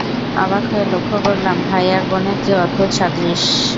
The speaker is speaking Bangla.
অবাক হয়ে লক্ষ করলাম ভাই আর বোনের কী অদ্ভুত সাদৃশ্য।